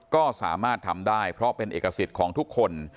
ก็สามารถทำได้เพราะเป็นเอกสิทธิ์ของทุกคน